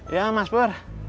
ya mas pur